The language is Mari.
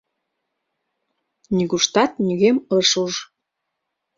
Нигуштат нигӧм ыш уж.